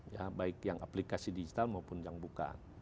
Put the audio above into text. ya baik yang aplikasi digital maupun yang buka